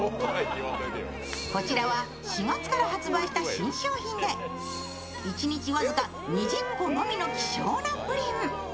こちらは４月から発売した新商品で、一日僅か２０個のみの希少なプリン。